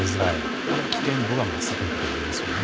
ここで危険度が増すということになりますよね。